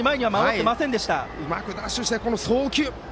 うまくダッシュしてこの送球。